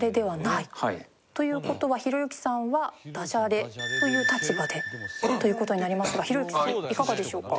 という事はひろゆきさんはダジャレという立場でという事になりますがひろゆきさんいかがでしょうか？